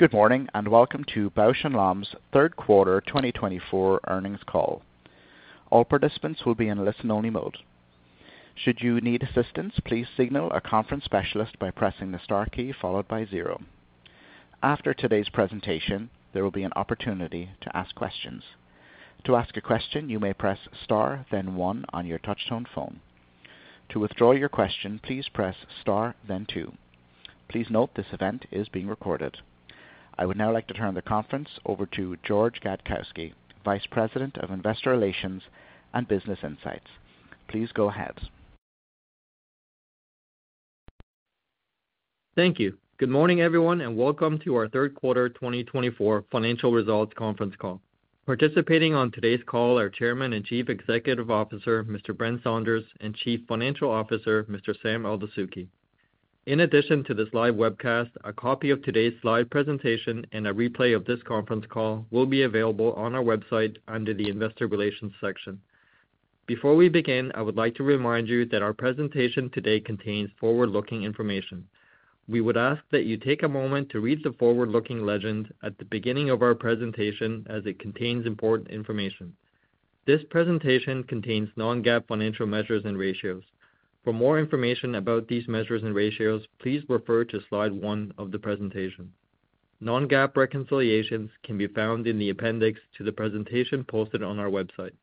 Good morning and welcome to Bausch + Lomb's Third Quarter 2024 Earnings Call. All participants will be in listen-only mode. Should you need assistance, please signal a conference specialist by pressing the star key followed by zero. After today's presentation, there will be an opportunity to ask questions. To ask a question, you may press star, then one on your touch-tone phone. To withdraw your question, please press star, then two. Please note this event is being recorded. I would now like to turn the conference over to George Gadkowski, Vice President of Investor Relations and Business Insights. Please go ahead. Thank you. Good morning, everyone, and welcome to our Third Quarter 2024 Financial Results Conference Call. Participating on today's call are Chairman and Chief Executive Officer Mr. Brent Saunders and Chief Financial Officer Mr. Sam Eldessouky. In addition to this live webcast, a copy of today's live presentation and a replay of this conference call will be available on our website under the Investor Relations section. Before we begin, I would like to remind you that our presentation today contains forward-looking information. We would ask that you take a moment to read the forward-looking legend at the beginning of our presentation as it contains important information. This presentation contains non-GAAP financial measures and ratios. For more information about these measures and ratios, please refer to Slide 1 of the presentation. Non-GAAP reconciliations can be found in the appendix to the presentation posted on our website.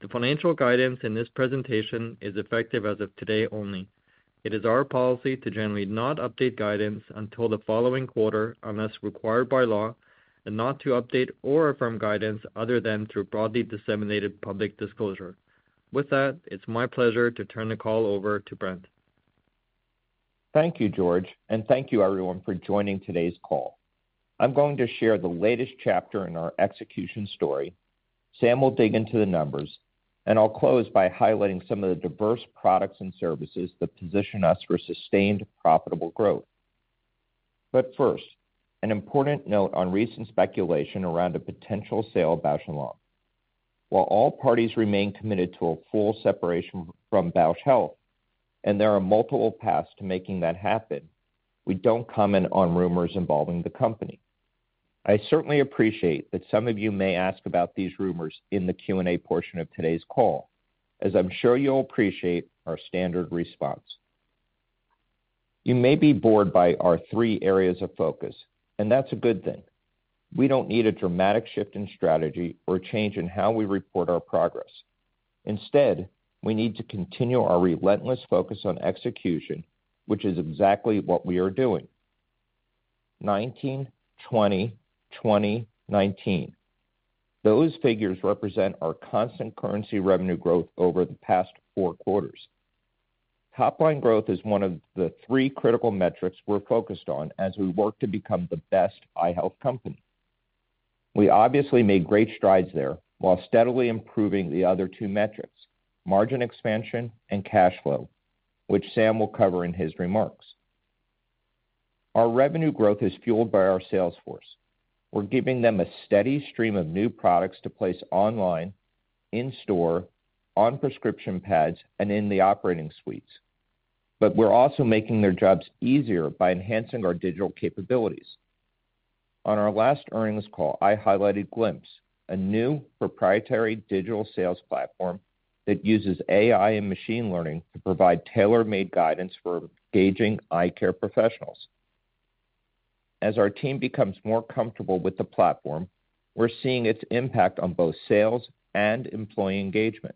The financial guidance in this presentation is effective as of today only. It is our policy to generally not update guidance until the following quarter unless required by law and not to update or affirm guidance other than through broadly disseminated public disclosure. With that, it's my pleasure to turn the call over to Brent. Thank you, George, and thank you, everyone, for joining today's call. I'm going to share the latest chapter in our execution story. Sam will dig into the numbers, and I'll close by highlighting some of the diverse products and services that position us for sustained profitable growth. But first, an important note on recent speculation around a potential sale of Bausch + Lomb. While all parties remain committed to a full separation from Bausch Health, and there are multiple paths to making that happen, we don't comment on rumors involving the company. I certainly appreciate that some of you may ask about these rumors in the Q&A portion of today's call, as I'm sure you'll appreciate our standard response. You may be bored by our three areas of focus, and that's a good thing. We don't need a dramatic shift in strategy or a change in how we report our progress. Instead, we need to continue our relentless focus on execution, which is exactly what we are doing. 19%, 20%, 20%, 19%. Those figures represent our constant currency revenue growth over the past four quarters. Top-line growth is one of the three critical metrics we're focused on as we work to become the best eye health company. We obviously made great strides there while steadily improving the other two metrics, margin expansion and cash flow, which Sam will cover in his remarks. Our revenue growth is fueled by our sales force. We're giving them a steady stream of new products to place online, in store, on prescription pads, and in the operating suites. But we're also making their jobs easier by enhancing our digital capabilities. On our last earnings call, I highlighted Glimpse, a new proprietary digital sales platform that uses AI and machine learning to provide tailor-made guidance for engaging eye care professionals. As our team becomes more comfortable with the platform, we're seeing its impact on both sales and employee engagement.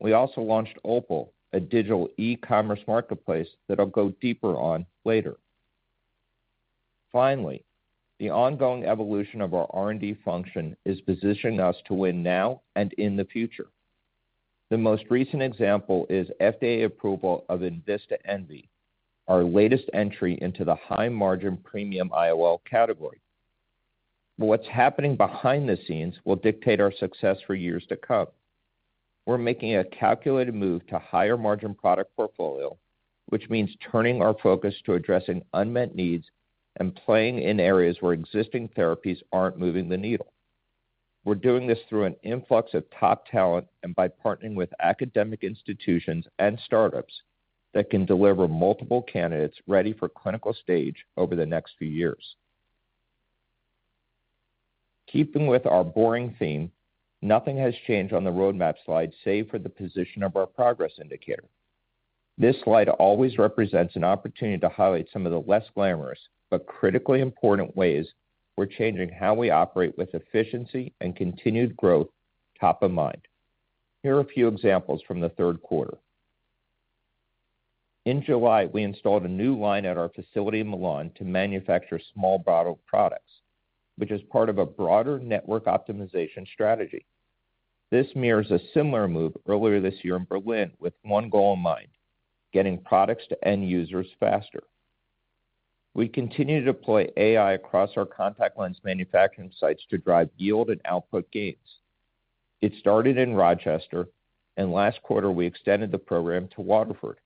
We also launched Opal, a digital e-commerce marketplace that I'll go deeper on later. Finally, the ongoing evolution of our R&D function is positioning us to win now and in the future. The most recent example is FDA approval of enVista Envy, our latest entry into the high-margin premium IOL category. What's happening behind the scenes will dictate our success for years to come. We're making a calculated move to a higher-margin product portfolio, which means turning our focus to addressing unmet needs and playing in areas where existing therapies aren't moving the needle. We're doing this through an influx of top talent and by partnering with academic institutions and startups that can deliver multiple candidates ready for clinical stage over the next few years. Keeping with our boring theme, nothing has changed on the roadmap slide save for the position of our progress indicator. This slide always represents an opportunity to highlight some of the less glamorous but critically important ways we're changing how we operate with efficiency and continued growth top of mind. Here are a few examples from the third quarter. In July, we installed a new line at our facility in Milan to manufacture small bottle products, which is part of a broader network optimization strategy. This mirrors a similar move earlier this year in Berlin with one goal in mind: getting products to end users faster. We continue to deploy AI across our contact lens manufacturing sites to drive yield and output gains. It started in Rochester, and last quarter we extended the program to Waterford.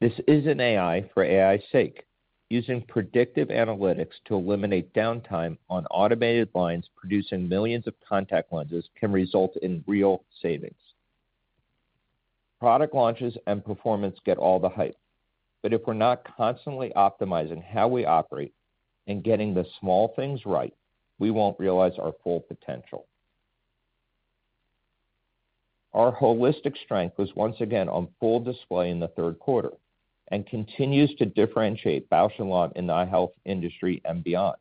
This isn't AI for AI's sake. Using predictive analytics to eliminate downtime on automated lines producing millions of contact lenses can result in real savings. Product launches and performance get all the hype. But if we're not constantly optimizing how we operate and getting the small things right, we won't realize our full potential. Our holistic strength was once again on full display in the third quarter and continues to differentiate Bausch + Lomb in the eye health industry and beyond.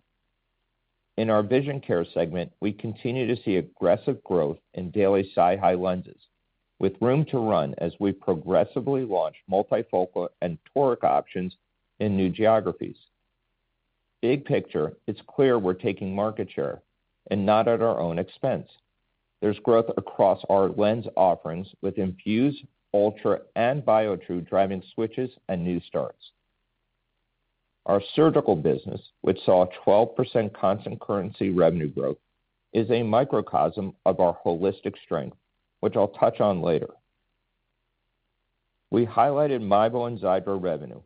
In our vision care segment, we continue to see aggressive growth in Daily SiHy lenses, with room to run as we progressively launch multifocal and toric options in new geographies. Big picture, it's clear we're taking market share and not at our own expense. There's growth across our lens offerings with INFUSE, ULTRA, and Biotrue driving switches and new starts. Our surgical business, which saw a 12% constant currency revenue growth, is a microcosm of our holistic strength, which I'll touch on later. We highlighted MIEBO and Xiidra revenue,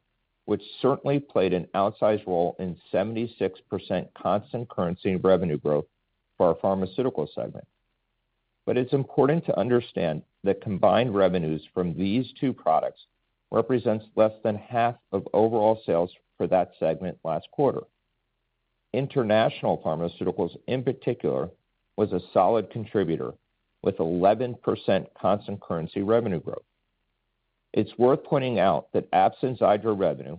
which certainly played an outsized role in 76% constant currency revenue growth for our pharmaceutical segment. But it's important to understand that combined revenues from these two products represent less than half of overall sales for that segment last quarter. International pharmaceuticals, in particular, was a solid contributor with 11% constant currency revenue growth. It's worth pointing out that absent Xiidra revenue,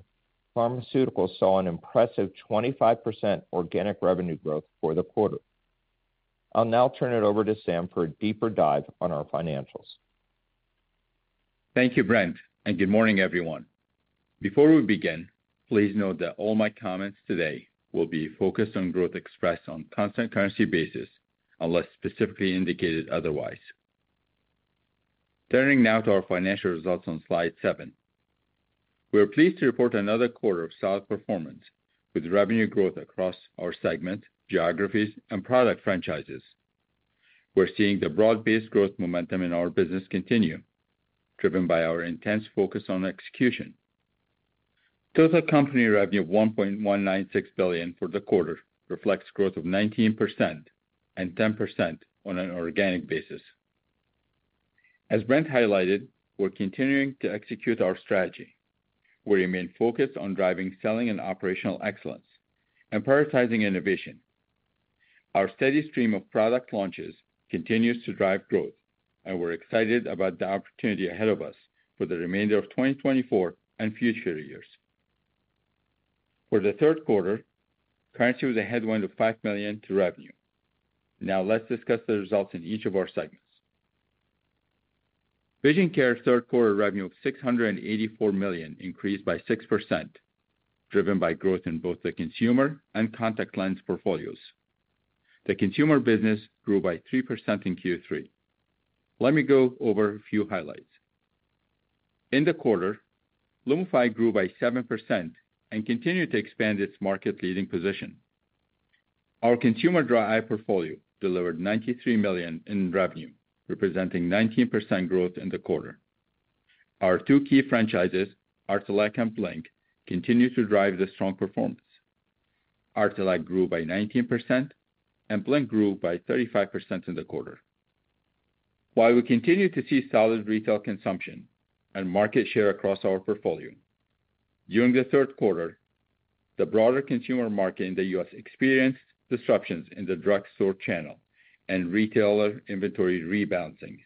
pharmaceuticals saw an impressive 25% organic revenue growth for the quarter. I'll now turn it over to Sam for a deeper dive on our financials. Thank you, Brent, and good morning, everyone. Before we begin, please note that all my comments today will be focused on growth expressed on a constant currency basis unless specifically indicated otherwise. Turning now to our financial results on Slide 7, we're pleased to report another quarter of solid performance with revenue growth across our segment, geographies, and product franchises. We're seeing the broad-based growth momentum in our business continue, driven by our intense focus on execution. Total company revenue of $1.196 billion for the quarter reflects growth of 19% and 10% on an organic basis. As Brent highlighted, we're continuing to execute our strategy. We remain focused on driving selling and operational excellence and prioritizing innovation. Our steady stream of product launches continues to drive growth, and we're excited about the opportunity ahead of us for the remainder of 2024 and future years. For the third quarter, currency was a headwind of $5 million to revenue. Now let's discuss the results in each of our segments. Vision care's third quarter revenue of $684 million increased by 6%, driven by growth in both the consumer and contact lens portfolios. The consumer business grew by 3% in Q3. Let me go over a few highlights. In the quarter, LUMIFY grew by 7% and continued to expand its market-leading position. Our consumer dry eye portfolio delivered $93 million in revenue, representing 19% growth in the quarter. Our two key franchises, Artelac and Blink, continue to drive the strong performance. Artelac grew by 19%, and Blink grew by 35% in the quarter. While we continue to see solid retail consumption and market share across our portfolio, during the third quarter, the broader consumer market in the U.S. experienced disruptions in the drugstore channel and retailer inventory rebalancing.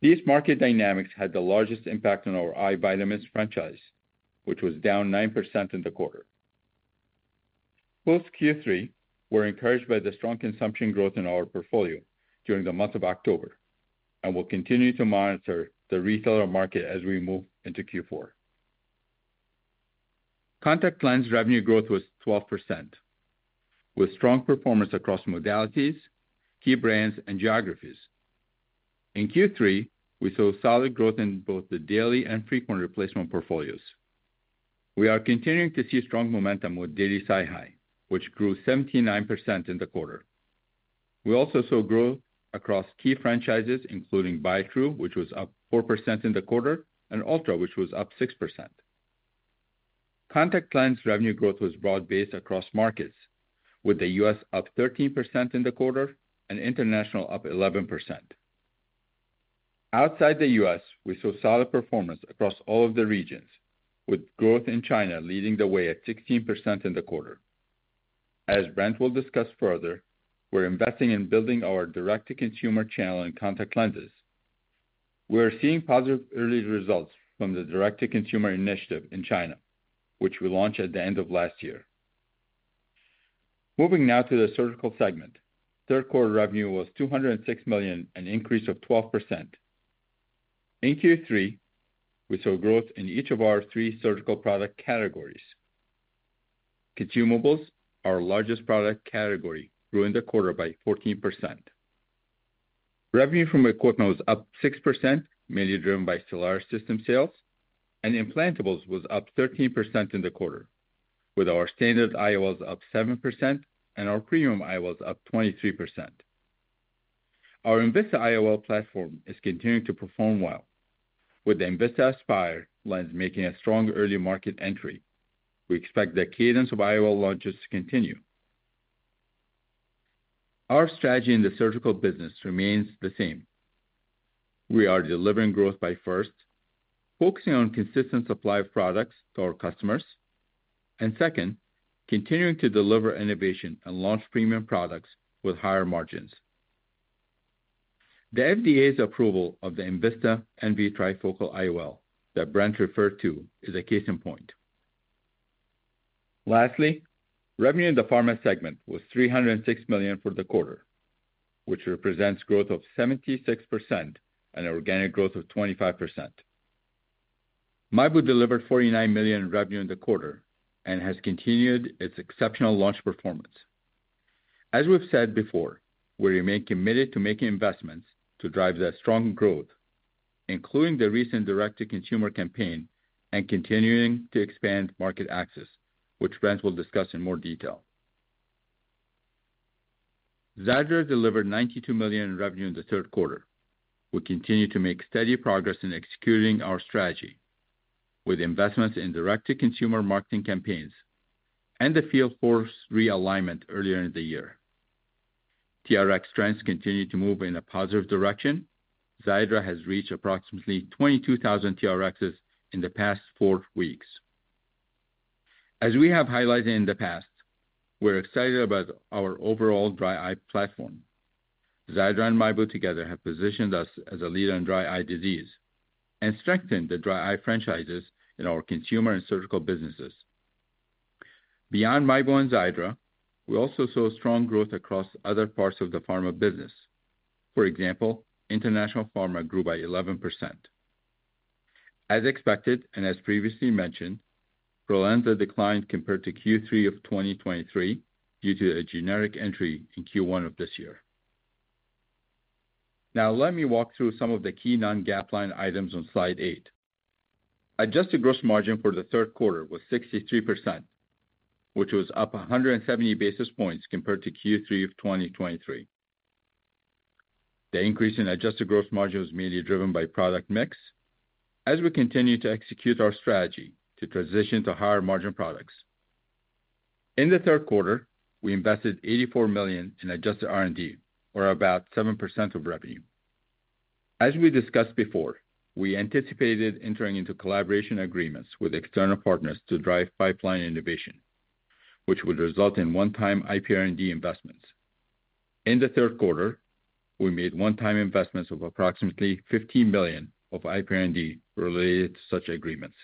These market dynamics had the largest impact on our eye vitamins franchise, which was down 9% in the quarter. Post Q3, we're encouraged by the strong consumption growth in our portfolio during the month of October and will continue to monitor the retail market as we move into Q4. Contact lens revenue growth was 12%, with strong performance across modalities, key brands, and geographies. In Q3, we saw solid growth in both the daily and frequent replacement portfolios. We are continuing to see strong momentum with daily SiHy, which grew 79% in the quarter. We also saw growth across key franchises, including Biotrue, which was up 4% in the quarter, and ULTRA, which was up 6%. Contact lens revenue growth was broad-based across markets, with the U.S. up 13% in the quarter and international up 11%. Outside the U.S., we saw solid performance across all of the regions, with growth in China leading the way at 16% in the quarter. As Brent will discuss further, we're investing in building our direct-to-consumer channel in contact lenses. We're seeing positive early results from the direct-to-consumer initiative in China, which we launched at the end of last year. Moving now to the surgical segment, third quarter revenue was $206 million and an increase of 12%. In Q3, we saw growth in each of our three surgical product categories. Consumables, our largest product category, grew in the quarter by 14%. Revenue from equipment was up 6%, mainly driven by Stellaris system sales, and implantables was up 13% in the quarter, with our standard IOLs up 7% and our premium IOLs up 23%. Our enVista IOL platform is continuing to perform well, with the enVista Aspire lens making a strong early market entry. We expect the cadence of IOL launches to continue. Our strategy in the surgical business remains the same. We are delivering growth by first, focusing on consistent supply of products to our customers, and second, continuing to deliver innovation and launch premium products with higher margins. The FDA's approval of the enVista Envy trifocal IOL that Brent referred to is a case in point. Lastly, revenue in the pharma segment was $306 million for the quarter, which represents growth of 76% and organic growth of 25%. MIEBO delivered $49 million in revenue in the quarter and has continued its exceptional launch performance. As we've said before, we remain committed to making investments to drive the strong growth, including the recent direct-to-consumer campaign and continuing to expand market access, which Brent will discuss in more detail. Xiidra delivered $92 million in revenue in the third quarter. We continue to make steady progress in executing our strategy, with investments in direct-to-consumer marketing campaigns and the Field Force realignment earlier in the year. TRx trends continue to move in a positive direction. Xiidra has reached approximately 22,000 TRx's in the past four weeks. As we have highlighted in the past, we're excited about our overall dry eye platform. Xiidra and MIEBO together have positioned us as a leader in dry eye disease and strengthened the dry eye franchises in our consumer and surgical businesses. Beyond MIEBO and Xiidra, we also saw strong growth across other parts of the pharma business. For example, international pharma grew by 11%. As expected and as previously mentioned, PROLENSA declined compared to Q3 of 2023 due to a generic entry in Q1 of this year. Now let me walk through some of the key non-GAAP line items on Slide 8. Adjusted gross margin for the third quarter was 63%, which was up 170 basis points compared to Q3 of 2023. The increase in adjusted gross margin was mainly driven by product mix, as we continue to execute our strategy to transition to higher margin products. In the third quarter, we invested $84 million in adjusted R&D, or about 7% of revenue. As we discussed before, we anticipated entering into collaboration agreements with external partners to drive pipeline innovation, which would result in one-time IPR&D investments. In the third quarter, we made one-time investments of approximately $15 million of IPR&D related to such agreements.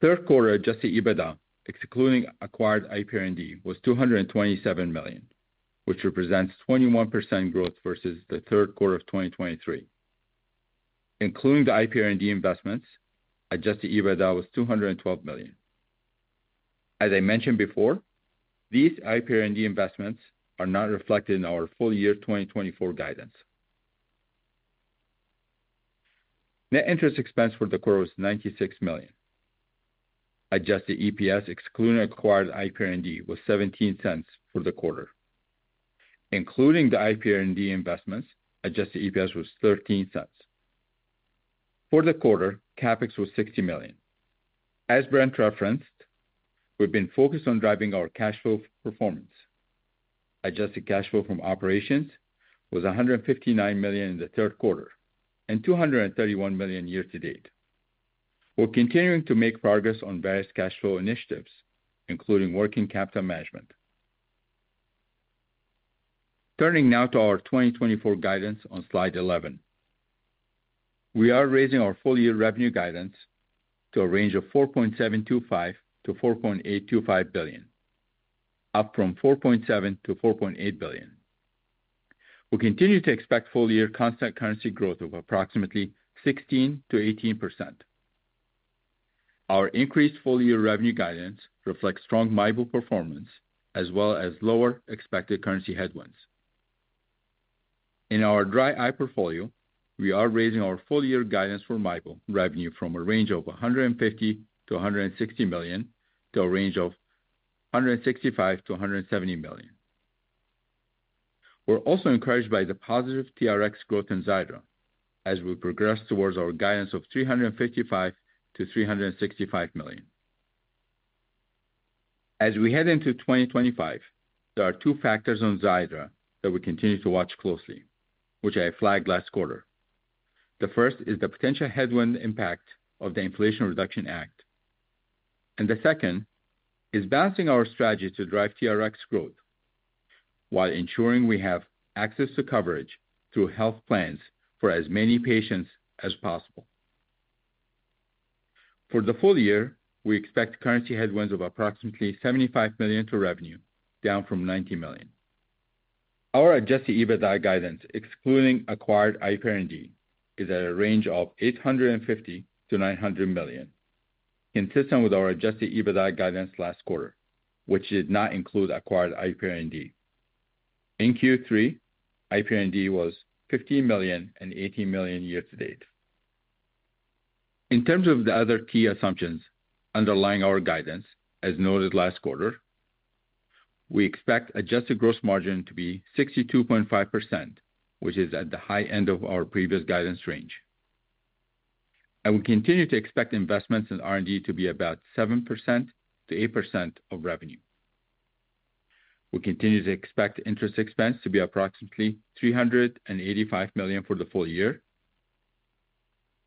Third quarter adjusted EBITDA excluding acquired IPR&D was $227 million, which represents 21% growth versus the third quarter of 2023. Including the IPR&D investments, adjusted EBITDA was $212 million. As I mentioned before, these IPR&D investments are not reflected in our full year 2024 guidance. Net interest expense for the quarter was $96 million. Adjusted EPS excluding acquired IPR&D was $0.17 for the quarter. Including the IPR&D investments, adjusted EPS was $0.13. For the quarter, CapEx was $60 million. As Brent referenced, we've been focused on driving our cash flow performance. Adjusted cash flow from operations was $159 million in the third quarter and $231 million year to date. We're continuing to make progress on various cash flow initiatives, including working capital management. Turning now to our 2024 guidance on Slide 11, we are raising our full year revenue guidance to a range of $4.725-$4.825 billion, up from $4.7-$4.8 billion. We continue to expect full year constant currency growth of approximately 16%-18%. Our increased full year revenue guidance reflects strong MIEBO performance as well as lower expected currency headwinds. In our dry eye portfolio, we are raising our full year guidance for MIEBO revenue from a range of $150-$160 million to a range of $165-$170 million. We're also encouraged by the positive TRx growth in Xiidra as we progress towards our guidance of $355-$365 million. As we head into 2025, there are two factors on Xiidra that we continue to watch closely, which I flagged last quarter. The first is the potential headwind impact of the Inflation Reduction Act. And the second is balancing our strategy to drive TRx growth while ensuring we have access to coverage through health plans for as many patients as possible. For the full year, we expect currency headwinds of approximately $75 million to revenue, down from $90 million. Our adjusted EBITDA guidance, excluding acquired IPR&D, is at a range of $850-$900 million, consistent with our adjusted EBITDA guidance last quarter, which did not include acquired IPR&D. In Q3, IPR&D was $15 million and $18 million year to date. In terms of the other key assumptions underlying our guidance, as noted last quarter, we expect adjusted gross margin to be 62.5%, which is at the high end of our previous guidance range. And we continue to expect investments in R&D to be about 7%-8% of revenue. We continue to expect interest expense to be approximately $385 million for the full year.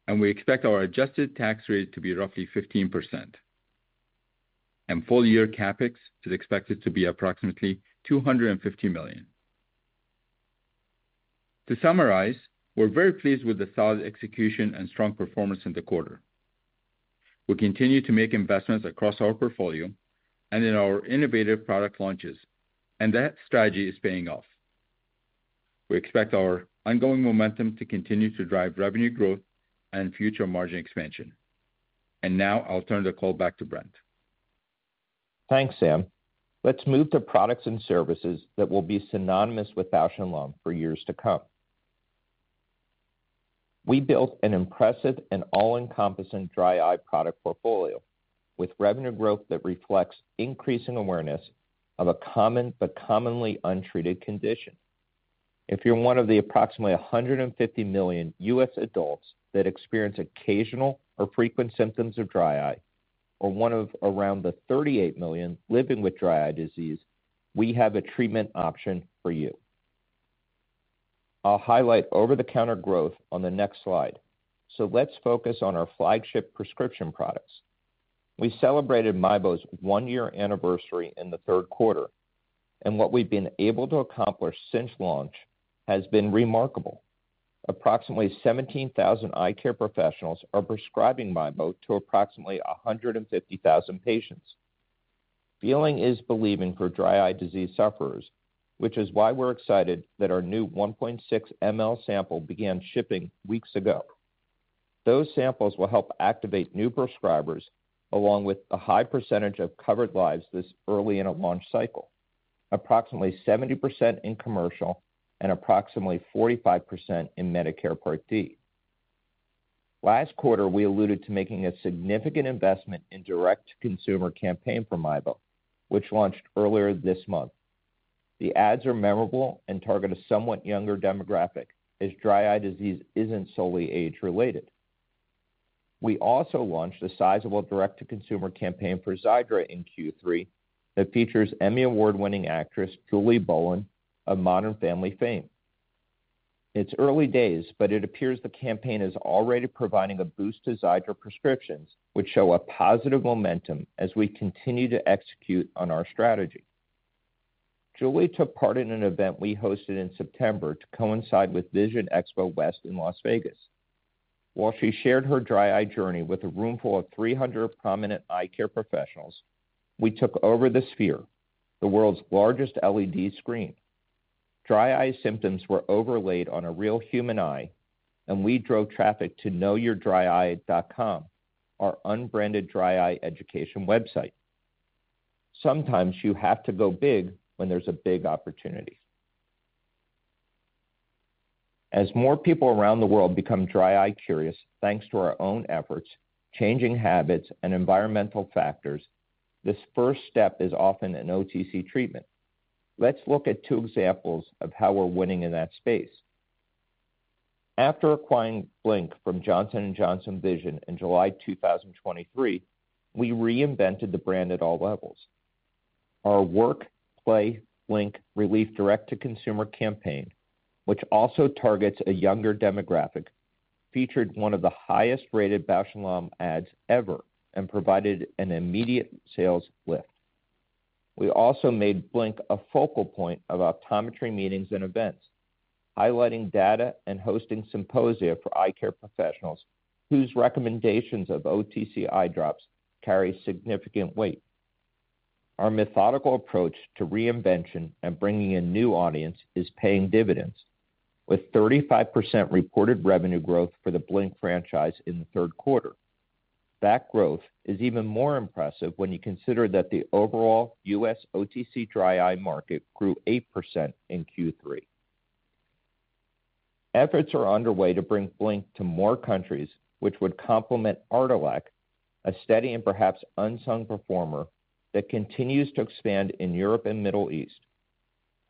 And we expect our adjusted tax rate to be roughly 15%. And full year CapEx is expected to be approximately $250 million. To summarize, we're very pleased with the solid execution and strong performance in the quarter. We continue to make investments across our portfolio and in our innovative product launches, and that strategy is paying off. We expect our ongoing momentum to continue to drive revenue growth and future margin expansion. And now I'll turn the call back to Brent. Thanks, Sam. Let's move to products and services that will be synonymous with Bausch + Lomb for years to come. We built an impressive and all-encompassing dry eye product portfolio with revenue growth that reflects increasing awareness of a common but commonly untreated condition. If you're one of the approximately 150 million U.S. adults that experience occasional or frequent symptoms of dry eye, or one of around the 38 million living with dry eye disease, we have a treatment option for you. I'll highlight over-the-counter growth on the next slide, so let's focus on our flagship prescription products. We celebrated MIEBO's one-year anniversary in the third quarter, and what we've been able to accomplish since launch has been remarkable. Approximately 17,000 eye care professionals are prescribing MIEBO to approximately 150,000 patients. Feeling is believing for dry eye disease sufferers, which is why we're excited that our new 1.6 ml sample began shipping weeks ago. Those samples will help activate new prescribers, along with a high percentage of covered lives this early in a launch cycle, approximately 70% in commercial and approximately 45% in Medicare Part D. Last quarter, we alluded to making a significant investment in direct-to-consumer campaign for MIEBO, which launched earlier this month. The ads are memorable and target a somewhat younger demographic, as dry eye disease isn't solely age-related. We also launched a sizable direct-to-consumer campaign for Xiidra in Q3 that features Emmy Award-winning actress Julie Bowen of Modern Family fame. It's early days, but it appears the campaign is already providing a boost to Xiidra prescriptions, which show a positive momentum as we continue to execute on our strategy. Julie took part in an event we hosted in September to coincide with Vision Expo West in Las Vegas. While she shared her dry eye journey with a roomful of 300 prominent eye care professionals, we took over the Sphere, the world's largest LED screen. Dry eye symptoms were overlaid on a real human eye, and we drove traffic to KnowYourDryEye.com, our unbranded dry eye education website. Sometimes you have to go big when there's a big opportunity. As more people around the world become dry eye curious thanks to our own efforts, changing habits, and environmental factors, this first step is often an OTC treatment. Let's look at two examples of how we're winning in that space. After acquiring Blink from Johnson & Johnson Vision in July 2023, we reinvented the brand at all levels. Our Work, Play, Blink Relief direct-to-consumer campaign, which also targets a younger demographic, featured one of the highest-rated Bausch + Lomb ads ever and provided an immediate sales lift. We also made Blink a focal point of optometry meetings and events, highlighting data and hosting symposia for eye care professionals whose recommendations of OTC eye drops carry significant weight. Our methodical approach to reinvention and bringing a new audience is paying dividends, with 35% reported revenue growth for the Blink franchise in the third quarter. That growth is even more impressive when you consider that the overall US OTC dry eye market grew 8% in Q3. Efforts are underway to bring Blink to more countries, which would complement Artelac, a steady and perhaps unsung performer that continues to expand in Europe and the Middle East.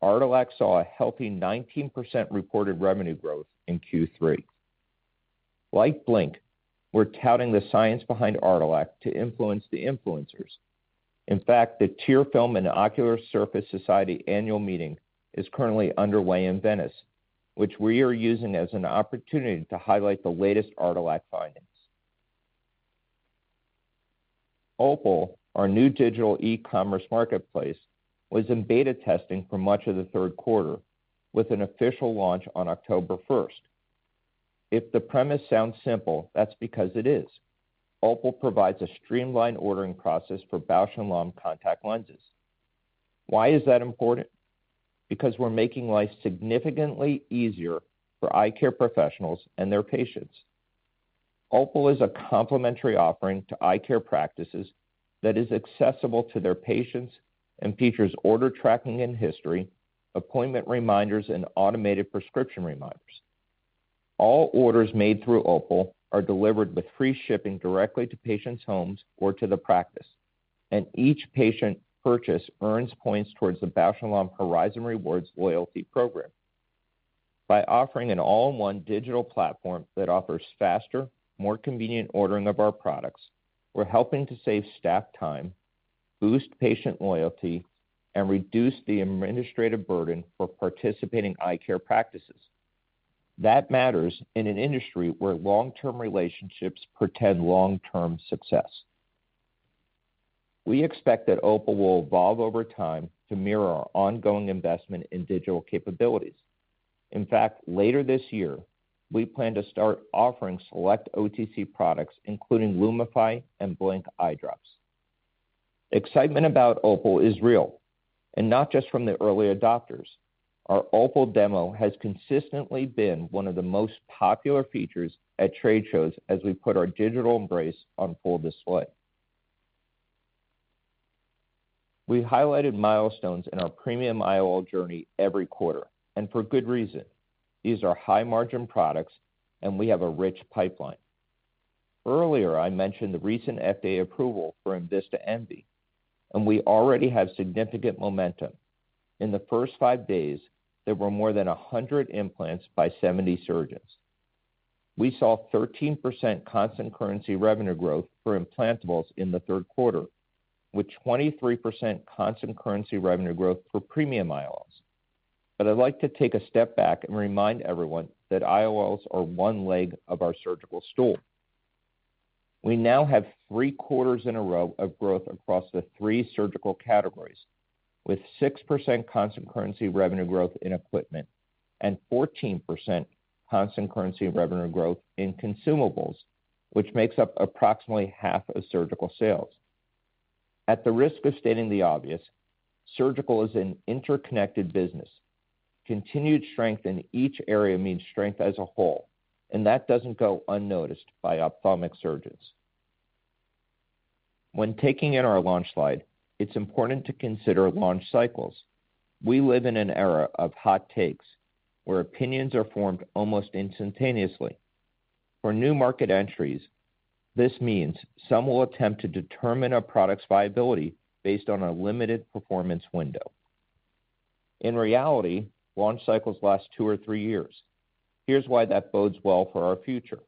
Artelac saw a healthy 19% reported revenue growth in Q3. Like Blink, we're touting the science behind Artelac to influence the influencers. In fact, the Tear Film and Ocular Surface Society annual meeting is currently underway in Venice, which we are using as an opportunity to highlight the latest Artelac findings. Opal, our new digital e-commerce marketplace, was in beta testing for much of the third quarter, with an official launch on October 1st. If the premise sounds simple, that's because it is. Opal provides a streamlined ordering process for Bausch + Lomb contact lenses. Why is that important? Because we're making life significantly easier for eye care professionals and their patients. Opal is a complementary offering to eye care practices that is accessible to their patients and features order tracking in history, appointment reminders, and automated prescription reminders. All orders made through Opal are delivered with free shipping directly to patients' homes or to the practice, and each patient purchase earns points towards the Bausch + Lomb Horizon Rewards loyalty program. By offering an all-in-one digital platform that offers faster, more convenient ordering of our products, we're helping to save staff time, boost patient loyalty, and reduce the administrative burden for participating eye care practices. That matters in an industry where long-term relationships portend long-term success. We expect that Opal will evolve over time to mirror our ongoing investment in digital capabilities. In fact, later this year, we plan to start offering select OTC products, including LUMIFY and Blink eye drops. Excitement about Opal is real, and not just from the early adopters. Our Opal demo has consistently been one of the most popular features at trade shows as we put our digital embrace on full display. We highlighted milestones in our premium IOL journey every quarter, and for good reason. These are high-margin products, and we have a rich pipeline. Earlier, I mentioned the recent FDA approval for enVista Envy, and we already have significant momentum. In the first five days, there were more than 100 implants by 70 surgeons. We saw 13% constant currency revenue growth for implantables in the third quarter, with 23% constant currency revenue growth for premium IOLs. But I'd like to take a step back and remind everyone that IOLs are one leg of our surgical stool. We now have three quarters in a row of growth across the three surgical categories, with 6% constant currency revenue growth in equipment and 14% constant currency revenue growth in consumables, which makes up approximately half of surgical sales. At the risk of stating the obvious, surgical is an interconnected business. Continued strength in each area means strength as a whole, and that doesn't go unnoticed by ophthalmic surgeons. When taking in our launch slide, it's important to consider launch cycles. We live in an era of hot takes where opinions are formed almost instantaneously. For new market entries, this means some will attempt to determine a product's viability based on a limited performance window. In reality, launch cycles last two or three years. Here's why that bodes well for our future.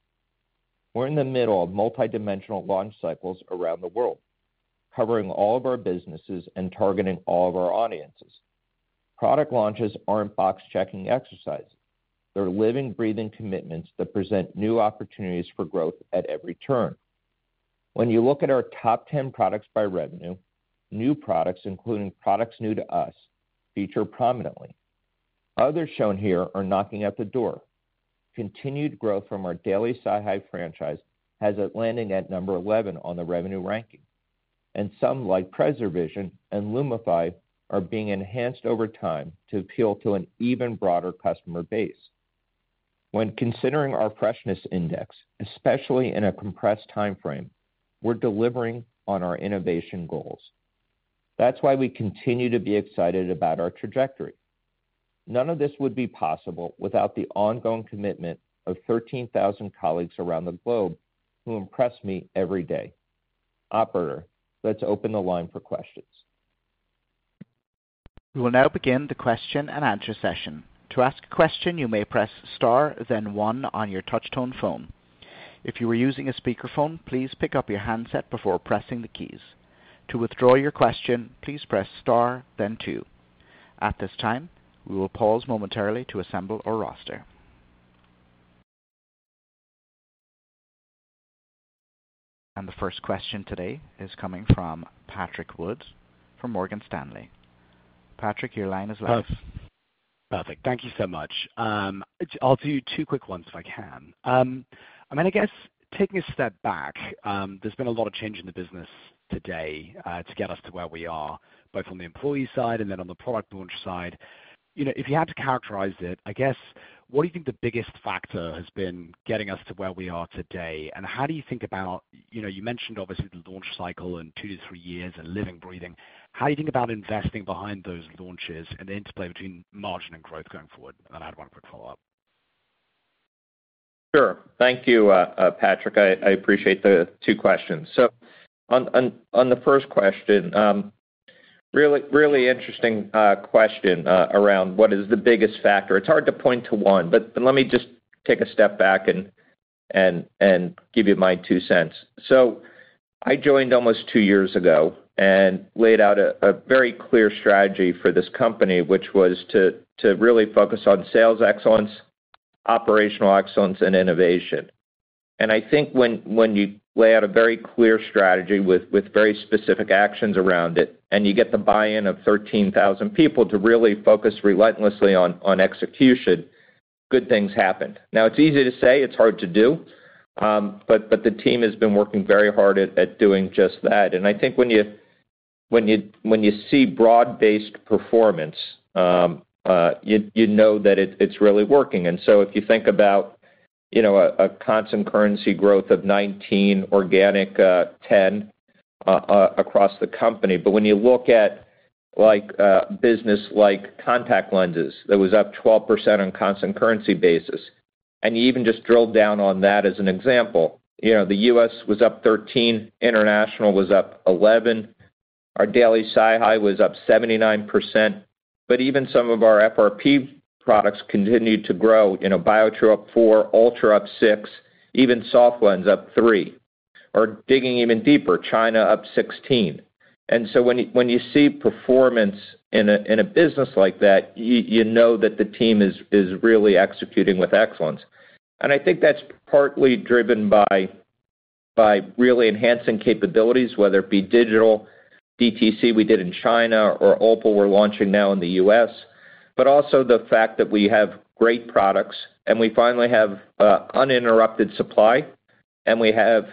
We're in the middle of multidimensional launch cycles around the world, covering all of our businesses and targeting all of our audiences. Product launches aren't box-checking exercises. They're living, breathing commitments that present new opportunities for growth at every turn. When you look at our top 10 products by revenue, new products, including products new to us, feature prominently. Others shown here are knocking at the door. Continued growth from our daily SiHy franchise has it landing at number 11 on the revenue ranking. And some like PreserVision and LUMIFY are being enhanced over time to appeal to an even broader customer base. When considering our freshness index, especially in a compressed timeframe, we're delivering on our innovation goals. That's why we continue to be excited about our trajectory. None of this would be possible without the ongoing commitment of 13,000 colleagues around the globe who impress me every day. Operator, let's open the line for questions. We will now begin the question and answer session. To ask a question, you may press Star, then One on your touch-tone phone. If you are using a speakerphone, please pick up your handset before pressing the keys. To withdraw your question, please press Star, then Two. At this time, we will pause momentarily to assemble our roster, and the first question today is coming from Patrick Wood from Morgan Stanley. Patrick, your line is live. Perfect. Thank you so much. I'll do two quick ones if I can. I mean, I guess taking a step back, there's been a lot of change in the business today to get us to where we are, both on the employee side and then on the product launch side. If you had to characterize it, I guess, what do you think the biggest factor has been getting us to where we are today? And how do you think about you mentioned, obviously, the launch cycle and two to three years and living, breathing. How do you think about investing behind those launches and the interplay between margin and growth going forward? And I'll add one quick follow-up. Sure. Thank you, Patrick. I appreciate the two questions. So on the first question, really interesting question around what is the biggest factor. It's hard to point to one, but let me just take a step back and give you my two cents. So I joined almost two years ago and laid out a very clear strategy for this company, which was to really focus on sales excellence, operational excellence, and innovation. And I think when you lay out a very clear strategy with very specific actions around it and you get the buy-in of 13,000 people to really focus relentlessly on execution, good things happen. Now, it's easy to say, it's hard to do, but the team has been working very hard at doing just that. And I think when you see broad-based performance, you know that it's really working. And so if you think about a constant currency growth of 19%, organic 10% across the company, but when you look at business lines like contact lenses, it was up 12% on constant currency basis. And you even just drilled down on that as an example. The U.S. was up 13%, international was up 11%, our daily SiHy was up 79%, but even some of our FRP products continued to grow. Biotrue up 4%, ULTRA up 6%, even SofLens up 3%. Or digging even deeper, China up 16%. And so when you see performance in a business like that, you know that the team is really executing with excellence. And I think that's partly driven by really enhancing capabilities, whether it be digital, DTC we did in China, or Opal we're launching now in the U.S., but also the fact that we have great products and we finally have uninterrupted supply and we have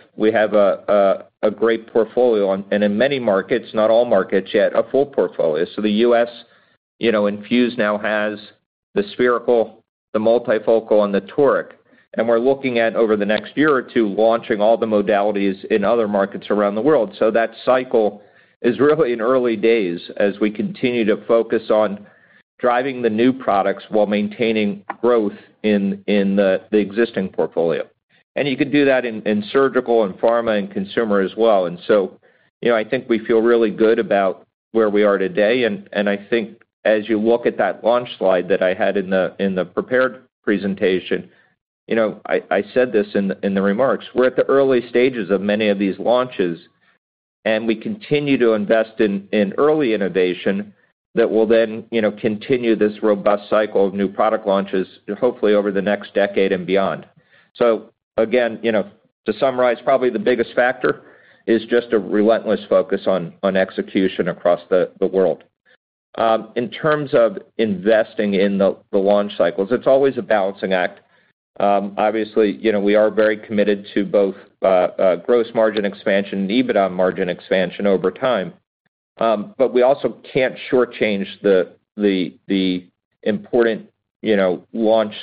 a great portfolio and in many markets, not all markets yet, a full portfolio. So the U.S. INFUSE now has the spherical, the multifocal, and the toric. And we're looking at, over the next year or two, launching all the modalities in other markets around the world. So that cycle is really in early days as we continue to focus on driving the new products while maintaining growth in the existing portfolio. And you can do that in surgical and pharma and consumer as well. And so I think we feel really good about where we are today. And I think as you look at that launch slide that I had in the prepared presentation, I said this in the remarks, we're at the early stages of many of these launches, and we continue to invest in early innovation that will then continue this robust cycle of new product launches, hopefully over the next decade and beyond. So again, to summarize, probably the biggest factor is just a relentless focus on execution across the world. In terms of investing in the launch cycles, it's always a balancing act. Obviously, we are very committed to both gross margin expansion and EBITDA margin expansion over time, but we also can't shortchange the important launch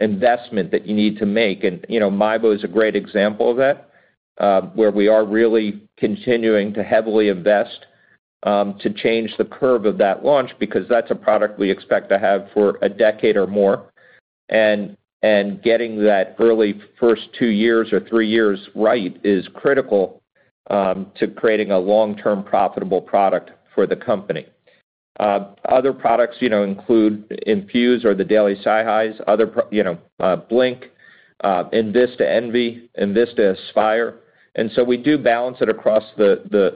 investment that you need to make, and MIEBO is a great example of that, where we are really continuing to heavily invest to change the curve of that launch because that's a product we expect to have for a decade or more, and getting that early first two years or three years right is critical to creating a long-term profitable product for the company. Other products include INFUSE or the daily SiHy, Blink, enVista Envy, enVista Aspire, and so we do balance it across the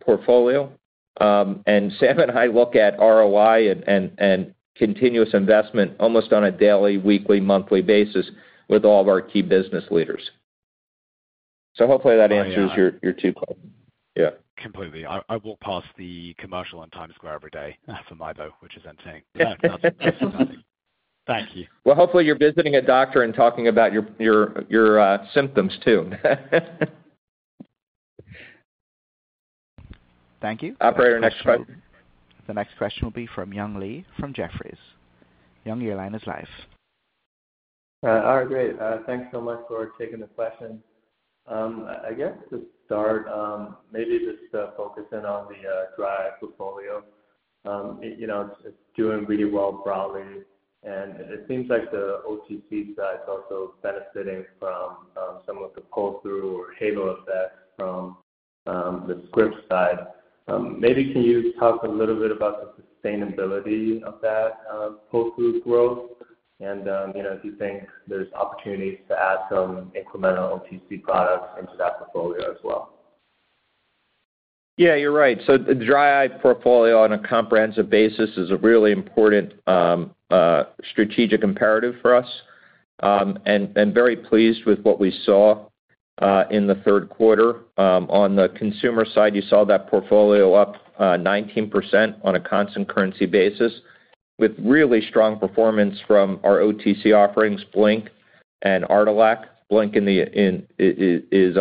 portfolio, and Sam and I look at ROI and continuous investment almost on a daily, weekly, monthly basis with all of our key business leaders. So hopefully that answers your two questions. Yeah. Completely. I walk past the commercial on Times Square every day for MIEBO, which is entertaining. Thank you. Well, hopefully you're visiting a doctor and talking about your symptoms too. Thank you. Operator, next question. The next question will be from Young Li from Jefferies. Young, your line is live. All right. Great. Thanks so much for taking the question. I guess to start, maybe just focusing on the dry portfolio. It's doing really well broadly, and it seems like the OTC side is also benefiting from some of the pull-through or halo effects from the script side. Maybe can you talk a little bit about the sustainability of that pull-through growth and if you think there's opportunities to add some incremental OTC products into that portfolio as well? Yeah, you're right. So the dry eye portfolio on a comprehensive basis is a really important strategic imperative for us. And very pleased with what we saw in the third quarter. On the consumer side, you saw that portfolio up 19% on a constant currency basis with really strong performance from our OTC offerings, Blink and Artelac. Blink is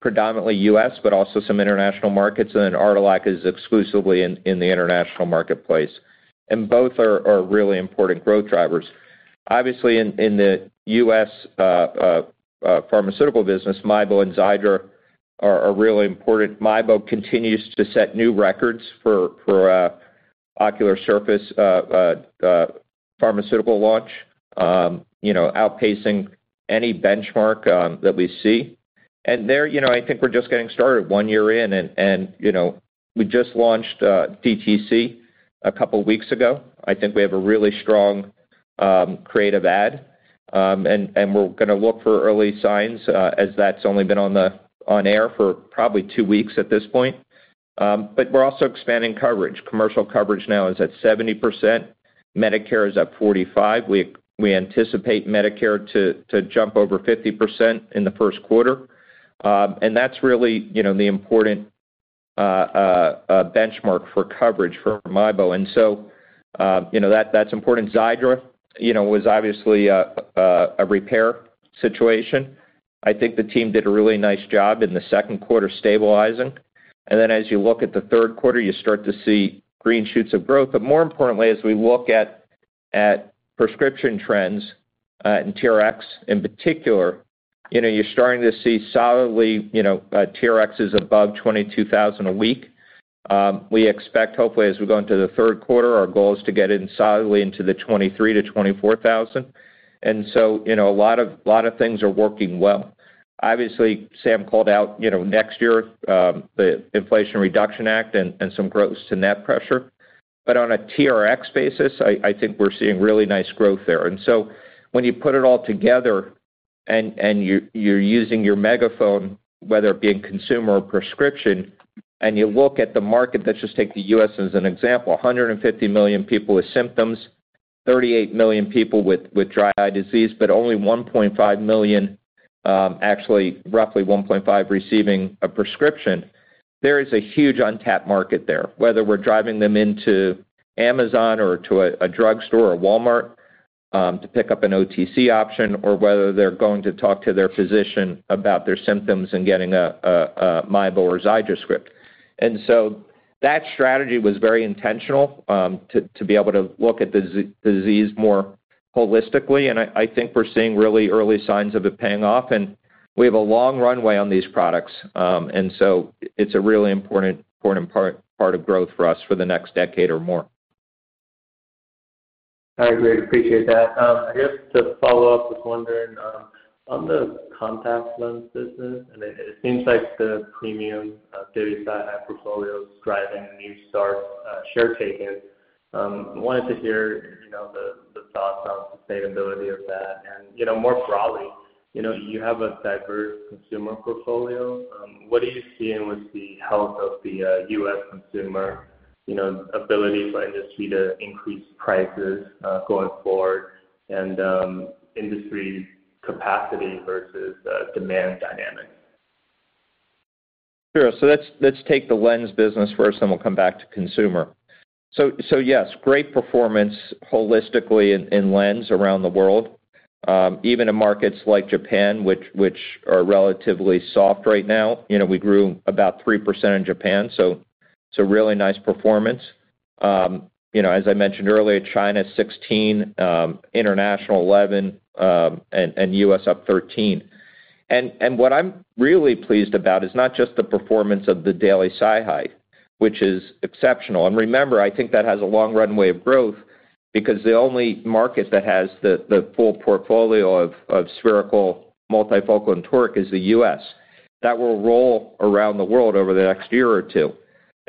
predominantly U.S., but also some international markets, and Artelac is exclusively in the international marketplace. And both are really important growth drivers. Obviously, in the U.S. pharmaceutical business, MIEBO and Xiidra are really important. MIEBO continues to set new records for ocular surface pharmaceutical launch, outpacing any benchmark that we see. And there, I think we're just getting started one year in, and we just launched DTC a couple of weeks ago. I think we have a really strong creative ad, and we're going to look for early signs as that's only been on air for probably two weeks at this point. But we're also expanding coverage. Commercial coverage now is at 70%. Medicare is at 45%. We anticipate Medicare to jump over 50% in the first quarter. And that's really the important benchmark for coverage for MIEBO. And so that's important. Xiidra was obviously a repair situation. I think the team did a really nice job in the second quarter stabilizing. And then as you look at the third quarter, you start to see green shoots of growth. But more importantly, as we look at prescription trends and TRx in particular, you're starting to see solidly TRx's above 22,000 a week. We expect, hopefully, as we go into the third quarter, our goal is to get in solidly into the 23-24 thousand. And so a lot of things are working well. Obviously, Sam called out next year, the Inflation Reduction Act and some growth to net pressure. But on a TRx basis, I think we're seeing really nice growth there. And so when you put it all together and you're using your megaphone, whether it be in consumer or prescription, and you look at the market, let's just take the U.S. as an example, 150 million people with symptoms, 38 million people with dry eye disease, but only 1.5 million, actually roughly 1.5, receiving a prescription. There is a huge untapped market there, whether we're driving them into Amazon or to a drugstore or Walmart to pick up an OTC option or whether they're going to talk to their physician about their symptoms and getting a MIEBO or Xiidra script. And so that strategy was very intentional to be able to look at the disease more holistically. And I think we're seeing really early signs of it paying off. And we have a long runway on these products. And so it's a really important part of growth for us for the next decade or more. All right. Great. Appreciate that. I guess to follow up, I was wondering on the contact lens business, and it seems like the premium Daily SiHy portfolio is driving new starts share taken. I wanted to hear the thoughts on sustainability of that. More broadly, you have a diverse consumer portfolio. What are you seeing with the health of the U.S. consumer ability for industry to increase prices going forward and industry capacity versus demand dynamics? Sure. Let's take the lens business first, and we'll come back to consumer. Yes, great performance holistically in lens around the world, even in markets like Japan, which are relatively soft right now. We grew about 3% in Japan, so really nice performance. As I mentioned earlier, China is 16%, international 11%, and U.S. up 13%. What I'm really pleased about is not just the performance of the daily SiHy, which is exceptional. Remember, I think that has a long runway of growth because the only market that has the full portfolio of spherical, multifocal, and toric is the U.S. That will roll around the world over the next year or two,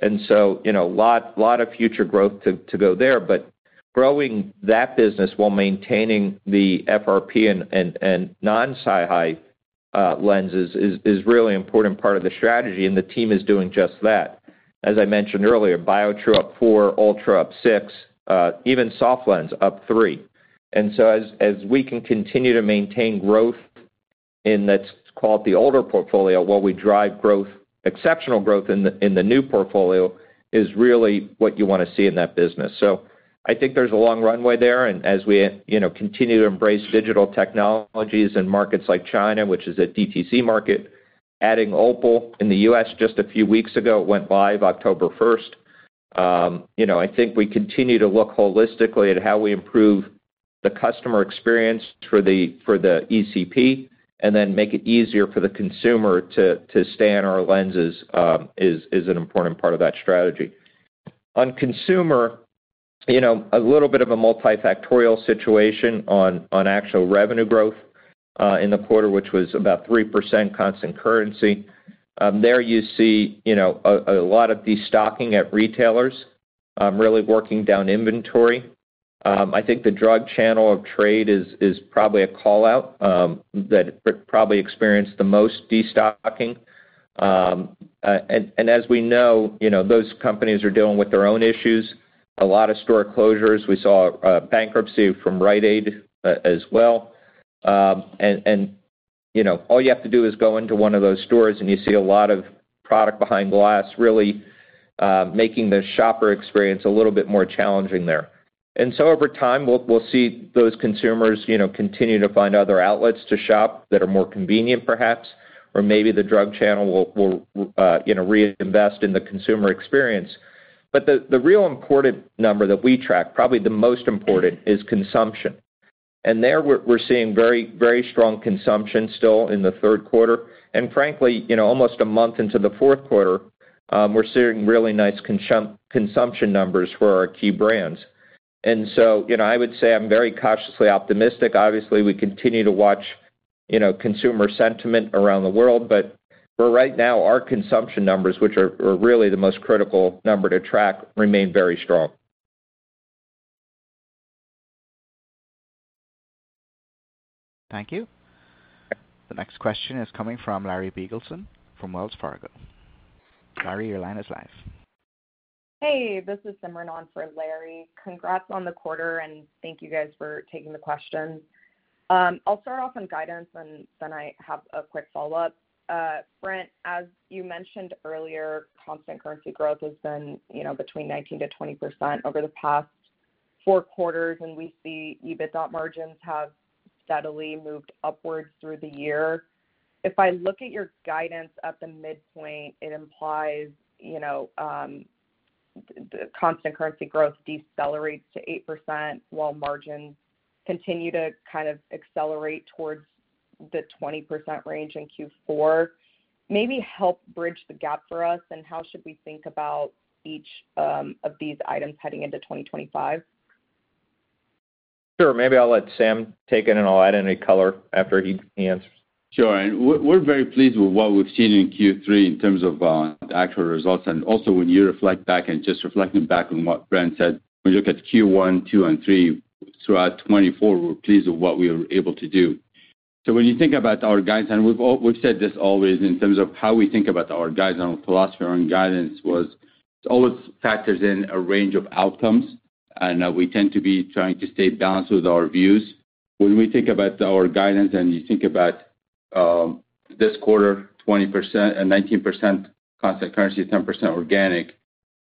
and so a lot of future growth to go there, but growing that business while maintaining the FRP and non-SiHy lenses is a really important part of the strategy, and the team is doing just that. As I mentioned earlier, Biotrue up 4%, ULTRA up 6%, even SofLens up 3%, and so as we can continue to maintain growth in what's called the older portfolio, while we drive exceptional growth in the new portfolio is really what you want to see in that business, so I think there's a long runway there, and as we continue to embrace digital technologies in markets like China, which is a DTC market, adding Opal in the U.S. just a few weeks ago, it went live October 1st. I think we continue to look holistically at how we improve the customer experience for the ECP and then make it easier for the consumer to stay on our lenses is an important part of that strategy. On consumer, a little bit of a multifactorial situation on actual revenue growth in the quarter, which was about 3% constant currency. There you see a lot of destocking at retailers really working down inventory. I think the drug channel of trade is probably a callout that probably experienced the most destocking, and as we know, those companies are dealing with their own issues. A lot of store closures. We saw bankruptcy from Rite Aid as well, and all you have to do is go into one of those stores, and you see a lot of product behind glass really making the shopper experience a little bit more challenging there. And so over time, we'll see those consumers continue to find other outlets to shop that are more convenient, perhaps, or maybe the drug channel will reinvest in the consumer experience. But the real important number that we track, probably the most important, is consumption. And there we're seeing very strong consumption still in the third quarter. And frankly, almost a month into the fourth quarter, we're seeing really nice consumption numbers for our key brands. And so I would say I'm very cautiously optimistic. Obviously, we continue to watch consumer sentiment around the world, but right now, our consumption numbers, which are really the most critical number to track, remain very strong. Thank you. The next question is coming from Larry Biegelsen from Wells Fargo. Larry, your line is live. Hey, this is Simran Kaur for Larry. Congrats on the quarter, and thank you guys for taking the question. I'll start off on guidance, and then I have a quick follow-up. Brent, as you mentioned earlier, constant currency growth has been between 19%-20% over the past four quarters, and we see EBITDA margins have steadily moved upwards through the year. If I look at your guidance at the midpoint, it implies constant currency growth decelerates to 8% while margins continue to kind of accelerate towards the 20% range in Q4. Maybe help bridge the gap for us, and how should we think about each of these items heading into 2025? Sure. Maybe I'll let Sam take it, and I'll add any color after he answers. Sure. And we're very pleased with what we've seen in Q3 in terms of actual results. And also, when you reflect back and just reflecting back on what Brent said, when you look at Q1, Q2, and Q3 throughout 2024, we're pleased with what we were able to do. So when you think about our guidance, and we've said this always in terms of how we think about our philosophy around guidance was it always factors in a range of outcomes, and we tend to be trying to stay balanced with our views. When we think about our guidance and you think about this quarter, 19% constant currency, 10% organic,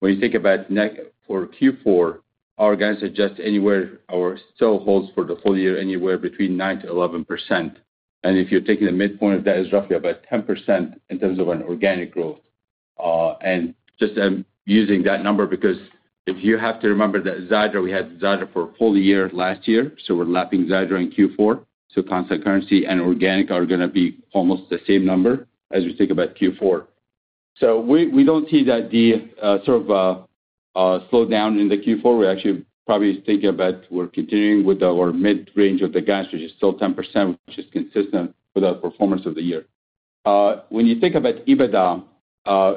when you think about for Q4, our guidance suggests anywhere our sales hold for the full year anywhere between 9%-11%. And if you're taking the midpoint of that, it's roughly about 10% in terms of an organic growth. And just, I'm using that number because if you have to remember that Xiidra, we had Xiidra for a full year last year, so we're lapping Xiidra in Q4, so constant currency and organic are going to be almost the same number as we think about Q4, so we don't see that sort of slow down in the Q4. We're actually probably thinking about, we're continuing with our mid-range of the guidance, which is still 10%, which is consistent with our performance of the year. When you think about EBITDA,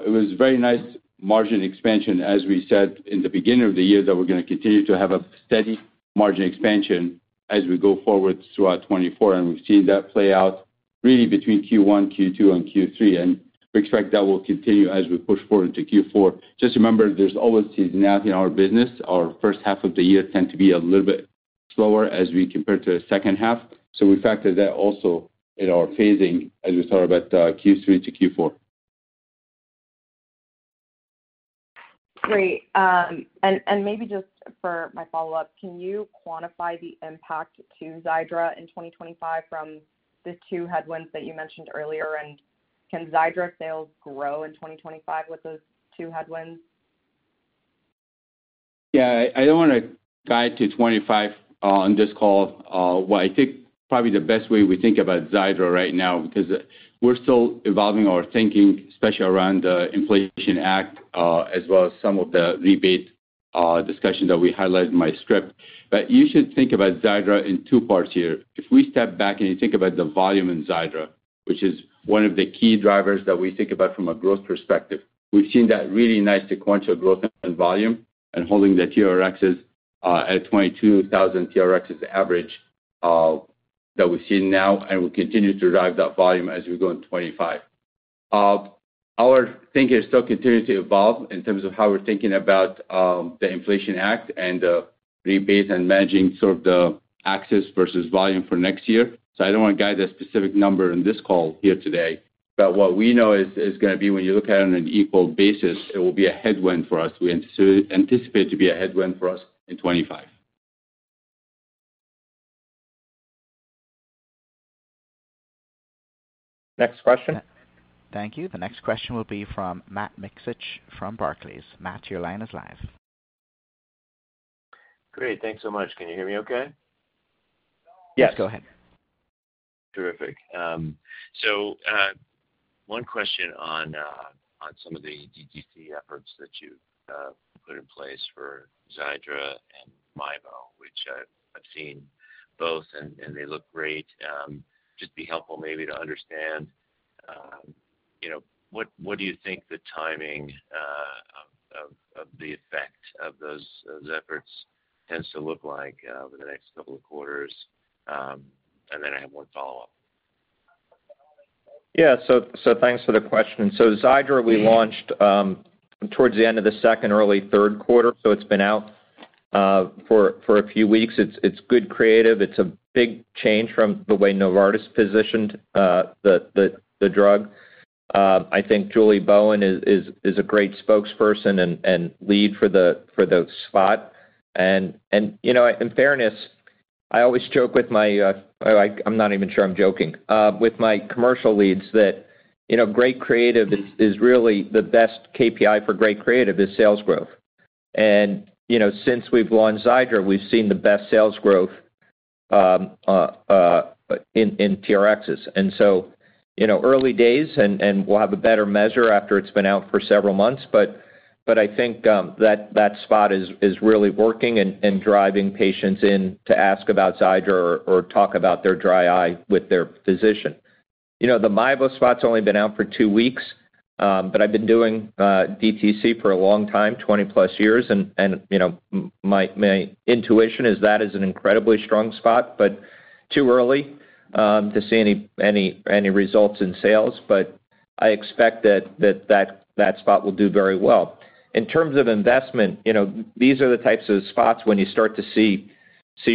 it was very nice margin expansion, as we said in the beginning of the year, that we're going to continue to have a steady margin expansion as we go forward throughout 2024, and we've seen that play out really between Q1, Q2, and Q3, and we expect that will continue as we push forward into Q4. Just remember, there's always seasonality in our business. Our first half of the year tends to be a little bit slower as we compare to the second half. So we factor that also in our phasing as we start about Q3 to Q4. Great. And maybe just for my follow-up, can you quantify the impact to Xiidra in 2025 from the two headwinds that you mentioned earlier? And can Xiidra sales grow in 2025 with those two headwinds? Yeah. I don't want to guide to 25 on this call. I think probably the best way we think about Xiidra right now because we're still evolving our thinking, especially around the Inflation Act as well as some of the rebate discussion that we highlighted in my script. But you should think about Xiidra in two parts here. If we step back and you think about the volume in Xiidra, which is one of the key drivers that we think about from a growth perspective, we've seen that really nice sequential growth in volume and holding the TRx's at 22,000 TRx's average that we've seen now, and we'll continue to drive that volume as we go in 2025. Our thinking still continues to evolve in terms of how we're thinking about the Inflation Reduction Act and the rebate and managing sort of the access versus volume for next year. So I don't want to guide a specific number on this call here today. But what we know is going to be when you look at it on an equal basis, it will be a headwind for us. We anticipate it to be a headwind for us in 2025. Next question. Thank you. The next question will be from Matt Miksic from Barclays. Matt, your line is live. Great. Thanks so much. Can you hear me okay? Yes. Go ahead. Terrific. So one question on some of the DTC efforts that you've put in place for Xiidra and MIEBO, which I've seen both, and they look great. Just be helpful maybe to understand what do you think the timing of the effect of those efforts tends to look like over the next couple of quarters. And then I have one follow-up. Yeah. So thanks for the question. So Xiidra, we launched towards the end of the second, early third quarter. So it's been out for a few weeks. It's good creative. It's a big change from the way Novartis positioned the drug. I think Julie Bowen is a great spokesperson and lead for the spot. And in fairness, I always joke with my, I'm not even sure I'm joking, with my commercial leads that great creative is really the best KPI for great creative is sales growth. And since we've launched Xiidra, we've seen the best sales growth in TRx. And so early days, and we'll have a better measure after it's been out for several months. But I think that spot is really working and driving patients in to ask about Xiidra or talk about their dry eye with their physician. The MIEBO spot's only been out for two weeks, but I've been doing DTC for a long time, 20-plus years. And my intuition is that is an incredibly strong spot, but too early to see any results in sales. But I expect that spot will do very well. In terms of investment, these are the types of spots when you start to see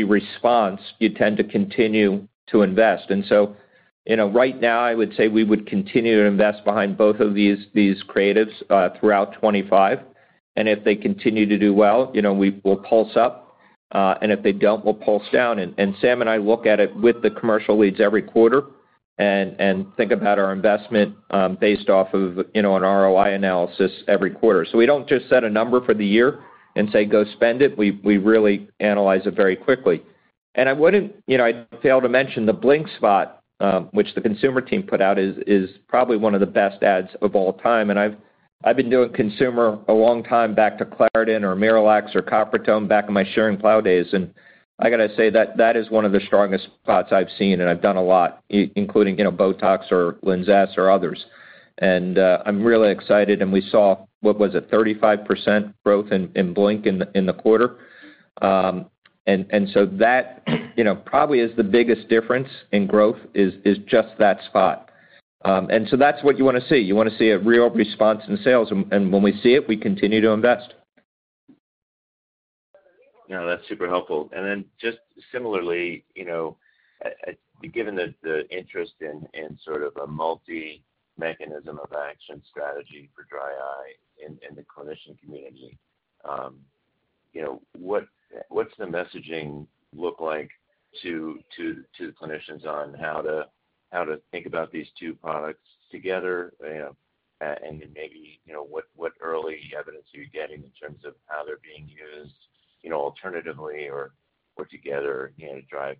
response, you tend to continue to invest, and so right now, I would say we would continue to invest behind both of these creatives throughout 2025, and if they continue to do well, we will pulse up, and if they don't, we'll pulse down, and Sam and I look at it with the commercial leads every quarter and think about our investment based off of an ROI analysis every quarter, so we don't just set a number for the year and say, "Go spend it." We really analyze it very quickly, and I failed to mention the Blink spot, which the consumer team put out, is probably one of the best ads of all time. I've been doing consumer a long time back to Claritin or MiraLax or Coppertone back in my Schering-Plough days. I got to say that that is one of the strongest spots I've seen, and I've done a lot, including Botox or Linzess or others. I'm really excited. We saw, what was it, 35% growth in Blink in the quarter. So that probably is the biggest difference in growth is just that spot. That's what you want to see. You want to see a real response in sales. And when we see it, we continue to invest. No, that's super helpful. Then just similarly, given the interest in sort of a multi-mechanism of action strategy for dry eye in the clinician community, what's the messaging look like to the clinicians on how to think about these two products together? And then maybe what early evidence are you getting in terms of how they're being used alternatively or together to drive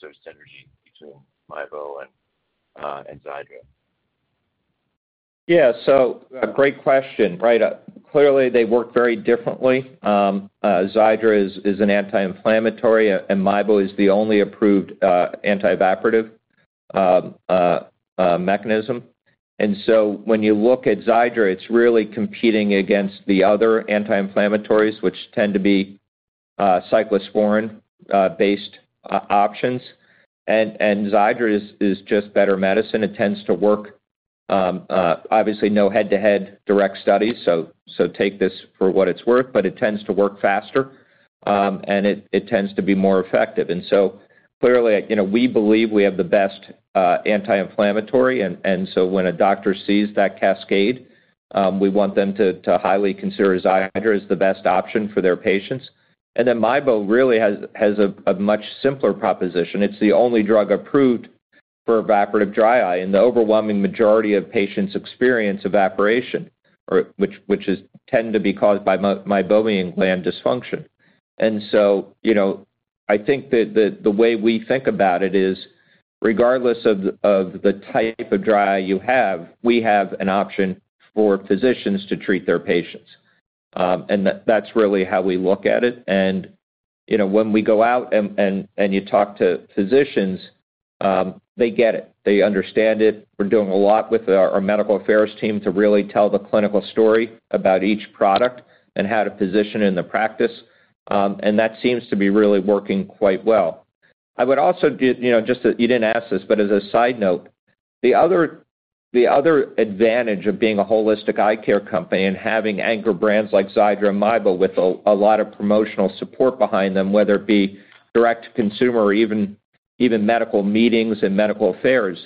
service synergy between MIEBO and Xiidra? Yeah. So great question. Right. Clearly, they work very differently. Xiidra is an anti-inflammatory, and MIEBO is the only approved anti-evaporative mechanism. And so when you look at Xiidra, it's really competing against the other anti-inflammatories, which tend to be cyclosporine-based options. And Xiidra is just better medicine. It tends to work. Obviously, no head-to-head direct studies. So take this for what it's worth, but it tends to work faster, and it tends to be more effective. And so clearly, we believe we have the best anti-inflammatory. And so when a doctor sees that cascade, we want them to highly consider Xiidra as the best option for their patients. And then MIEBO really has a much simpler proposition. It's the only drug approved for evaporative dry eye. And the overwhelming majority of patients experience evaporation, which tend to be caused by Meibomian gland dysfunction. And so I think that the way we think about it is, regardless of the type of dry eye you have, we have an option for physicians to treat their patients. And that's really how we look at it. And when we go out and you talk to physicians, they get it. They understand it. We're doing a lot with our medical affairs team to really tell the clinical story about each product and how to position it in the practice. And that seems to be really working quite well. I would also just, you didn't ask this, but as a side note, the other advantage of being a holistic eye care company and having anchor brands like Xiidra and MIEBO with a lot of promotional support behind them, whether it be direct to consumer or even medical meetings and medical affairs,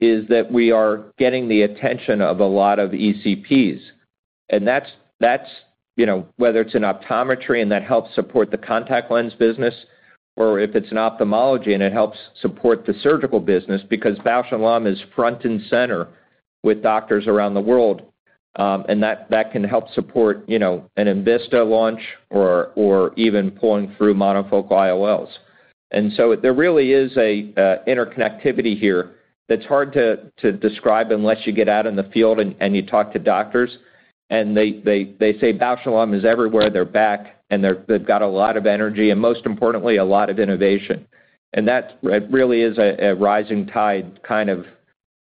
is that we are getting the attention of a lot of ECPs. And that's whether it's in optometry, and that helps support the contact lens business, or if it's in ophthalmology, and it helps support the surgical business because Bausch + Lomb is front and center with doctors around the world. And that can help support an enVista launch or even pulling through monofocal IOLs. And so there really is an interconnectivity here that's hard to describe unless you get out in the field and you talk to doctors. And they say Bausch + Lomb is everywhere. They're back, and they've got a lot of energy and, most importantly, a lot of innovation. And that really is a rising tide kind of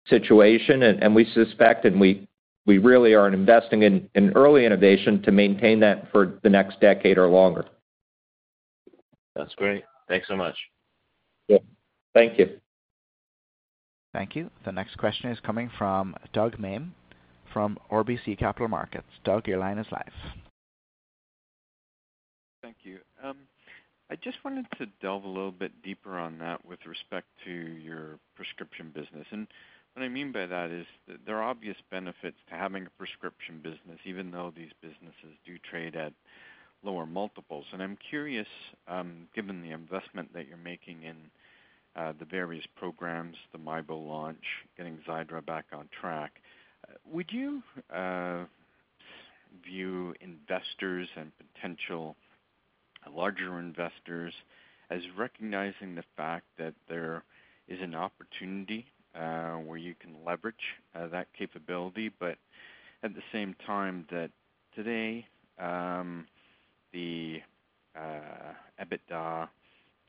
situation. And we suspect and we really are investing in early innovation to maintain that for the next decade or longer. That's great. Thanks so much. Thank you. Thank you. The next question is coming from Doug Miehm from RBC Capital Markets. Doug, your line is live. Thank you. I just wanted to delve a little bit deeper on that with respect to your prescription business. And what I mean by that is there are obvious benefits to having a prescription business, even though these businesses do trade at lower multiples. I'm curious, given the investment that you're making in the various programs, the MIEBO launch, getting Xiidra back on track, would you view investors and potential larger investors as recognizing the fact that there is an opportunity where you can leverage that capability, but at the same time that today the EBITDA,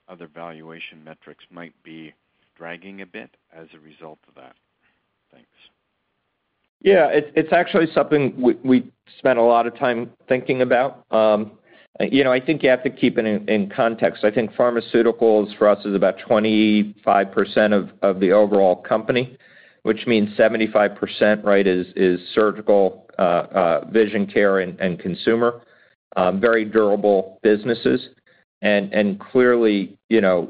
other valuation metrics might be dragging a bit as a result of that? Thanks. Yeah. It's actually something we spent a lot of time thinking about. I think you have to keep it in context. I think pharmaceuticals for us is about 25% of the overall company, which means 75%, right, is surgical, vision care, and consumer. Very durable businesses and clearly an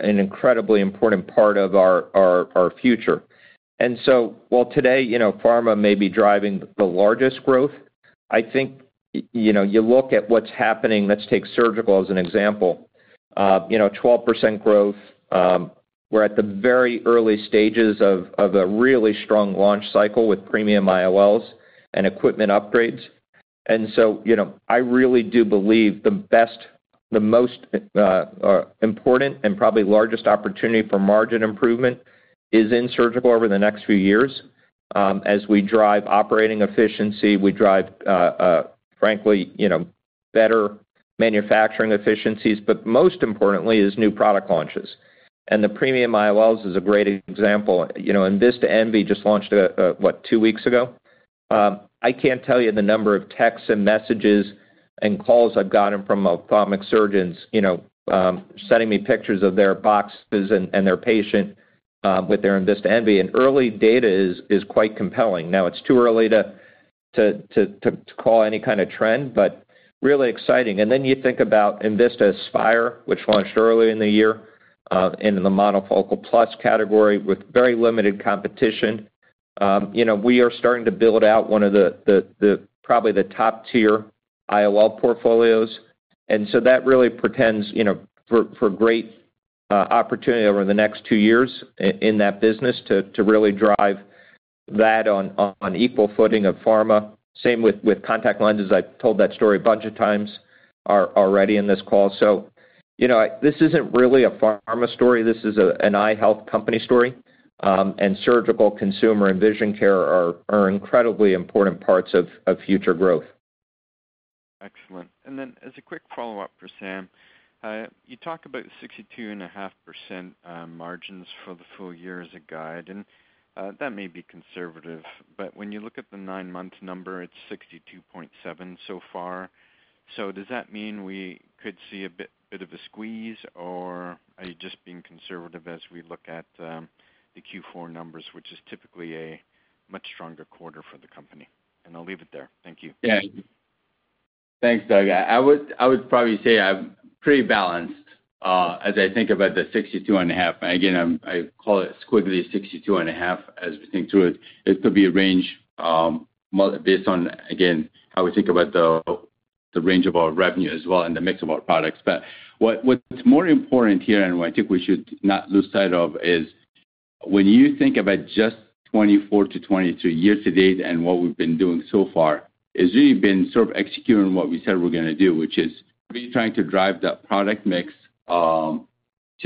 incredibly important part of our future. And so while today pharma may be driving the largest growth, I think you look at what's happening, let's take surgical as an example, 12% growth. We're at the very early stages of a really strong launch cycle with premium IOLs and equipment upgrades, and so I really do believe the best, the most important and probably largest opportunity for margin improvement is in surgical over the next few years as we drive operating efficiency, we drive, frankly, better manufacturing efficiencies, but most importantly is new product launches, and the premium IOLs is a great example. enVista Envy just launched what, two weeks ago? I can't tell you the number of texts and messages and calls I've gotten from ophthalmic surgeons sending me pictures of their boxes and their patient with their enVista Envy, and early data is quite compelling. Now, it's too early to call any kind of trend, but really exciting, and then you think about enVista Aspire, which launched early in the year in the monofocal plus category with very limited competition. We are starting to build out one of probably the top-tier IOL portfolios. And so that really presents for great opportunity over the next two years in that business to really drive that on equal footing with pharma. Same with contact lenses. I've told that story a bunch of times already in this call. So this isn't really a pharma story. This is an eye health company story. And surgical, consumer, and vision care are incredibly important parts of future growth. Excellent. And then as a quick follow-up for Sam, you talk about 62.5% margins for the full year as a guide. And that may be conservative. But when you look at the nine-month number, it's 62.7% so far. So does that mean we could see a bit of a squeeze, or are you just being conservative as we look at the Q4 numbers, which is typically a much stronger quarter for the company? And I'll leave it there. Thank you. Yeah. Thanks, Doug. I would probably say I'm pretty balanced as I think about the 62.5. Again, I call it squiggly 62.5 as we think through it. It could be a range based on, again, how we think about the range of our revenue as well and the mix of our products. But what's more important here, and what I think we should not lose sight of, is when you think about just 24 to 23 years to date and what we've been doing so far. It's really been sort of executing what we said we're going to do, which is really trying to drive that product mix to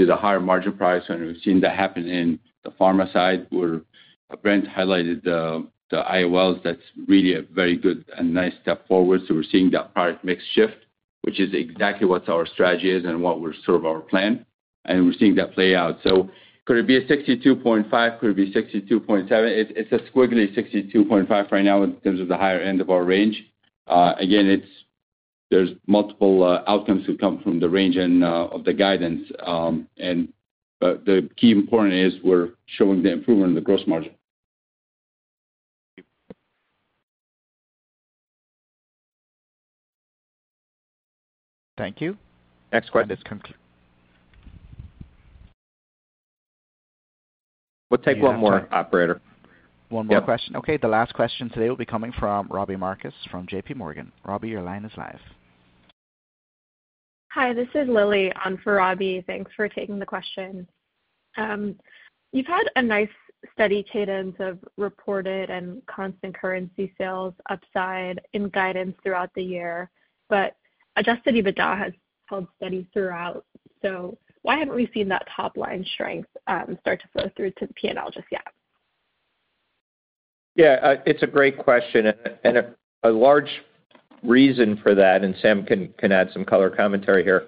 the higher margin price. And we've seen that happen in the pharma side. Brent highlighted the IOLs. That's really a very good and nice step forward. So we're seeing that product mix shift, which is exactly what our strategy is and what we're sort of our plan. And we're seeing that play out. So could it be a 62.5? Could it be 62.7? It's a squiggly 62.5 right now in terms of the higher end of our range. Again, there's multiple outcomes that come from the range and of the guidance. But the key important is we're showing the improvement in the gross margin. Thank you. Thank you. Next question is coming to you. We'll take one more, operator. One more question. Okay. The last question today will be coming from Robbie Marcus from J.P. Morgan. Robbie, your line is live. Hi. This is Lily on for Robbie. Thanks for taking the question. You've had a nice steady cadence of reported and constant currency sales upside in guidance throughout the year. But Adjusted EBITDA has held steady throughout. So why haven't we seen that top-line strength start to flow through to the P&L just yet? Yeah. It's a great question. And a large reason for that, and Sam can add some color commentary here,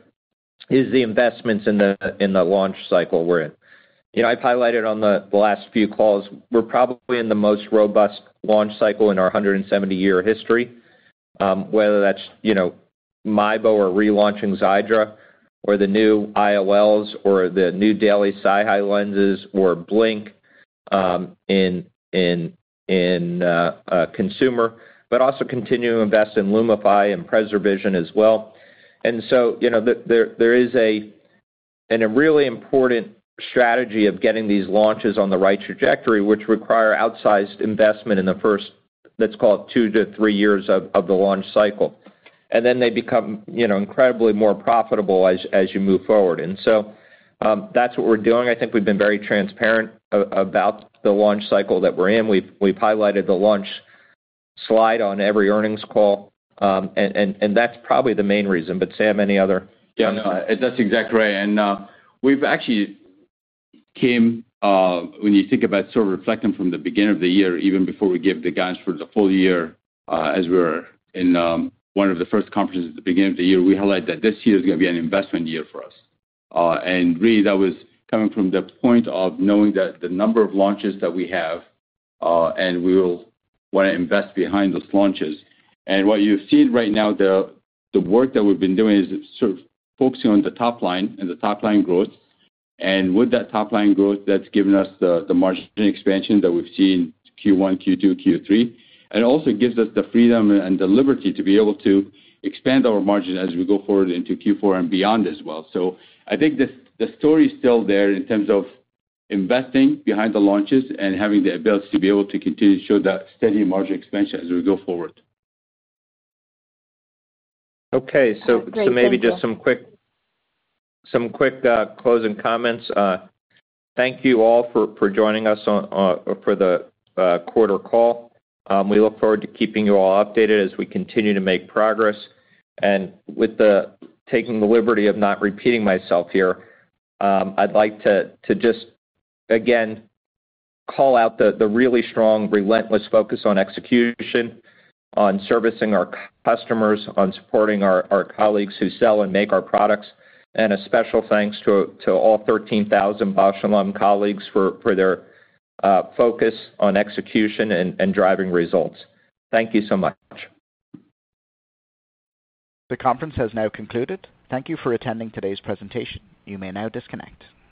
is the investments in the launch cycle we're in. I've highlighted on the last few calls, we're probably in the most robust launch cycle in our 170-year history, whether that's MIEBO or relaunching Xiidra or the new IOLs or the new daily SiHy lenses or Blink in consumer, but also continue to invest in LUMIFY and PreserVision as well. And so there is a really important strategy of getting these launches on the right trajectory, which require outsized investment in the first, let's call it, two to three years of the launch cycle. And then they become incredibly more profitable as you move forward. And so that's what we're doing. I think we've been very transparent about the launch cycle that we're in. We've highlighted the launch slide on every earnings call. And that's probably the main reason. But Sam, any other? Yeah. No. That's exactly right. And we've actually come, when you think about sort of reflecting from the beginning of the year, even before we gave the guidance for the full year as we were in one of the first conferences at the beginning of the year, we highlighted that this year is going to be an investment year for us. And really, that was coming from the point of knowing that the number of launches that we have, and we will want to invest behind those launches. And what you've seen right now, the work that we've been doing is sort of focusing on the top line and the top-line growth. And with that top-line growth, that's given us the margin expansion that we've seen Q1, Q2, Q3. And it also gives us the freedom and the liberty to be able to expand our margin as we go forward into Q4 and beyond as well. So I think the story is still there in terms of investing behind the launches and having the ability to be able to continue to show that steady margin expansion as we go forward. Okay. So maybe just some quick closing comments. Thank you all for joining us for the quarter call. We look forward to keeping you all updated as we continue to make progress. And with taking the liberty of not repeating myself here, I'd like to just, again, call out the really strong, relentless focus on execution, on servicing our customers, on supporting our colleagues who sell and make our products. And a special thanks to all 13,000 Bausch + Lomb colleagues for their focus on execution and driving results. Thank you so much. The conference has now concluded. Thank you for attending today's presentation. You may now disconnect.